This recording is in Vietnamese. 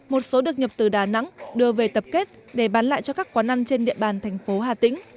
một số được nhập từ đà nẵng đưa về tập kết để bán lại cho các quán ăn trên địa bàn thành phố hà tĩnh